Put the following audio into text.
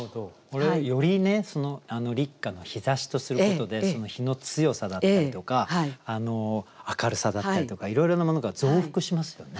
これをより「立夏の日差し」とすることで日の強さだったりとか明るさだったりとかいろいろなものが増幅しますよね。